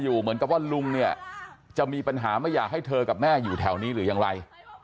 เหมือนกับว่าลุงเนี่ยจะมีปัญหาไม่อยากให้เธอกับแม่อยู่แถวนี้หรือยังไร